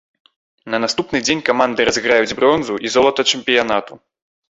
На наступны дзень каманды разыграюць бронзу і золата чэмпіянату.